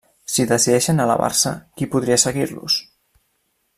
Si decideixen elevar-se, qui podria seguir-los?